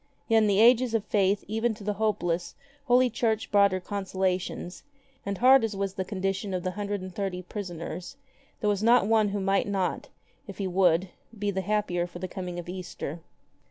Yet in the ages of Eaith even to the hopeless Holy Church brought her consolations, and hard as was the condition of the hundred and thirty prisoners, there was not one who might not, if he would, be the happier for the coming of Easter.